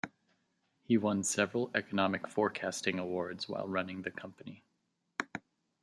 He won several economic forecasting awards while running the company.